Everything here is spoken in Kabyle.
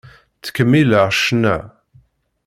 Ttkemmileɣ ccna.